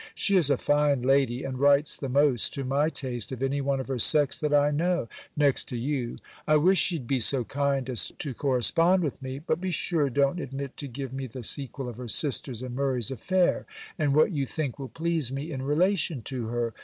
She is a fine lady, and writes the most to my taste of any one of her sex that I know, next to you. I wish she'd be so kind as to correspond with me. But be sure don't omit to give me the sequel of her sister's and Murray's affair, and what you think will please me in relation to her.